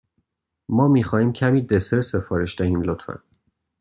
ما می خواهیم کمی دسر سفارش دهیم، لطفا.